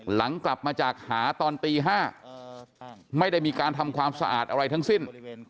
หลังกลับมาจากหาตอนตี๕ไม่ได้มีการทำความสะอาดอะไรทั้งสิ้น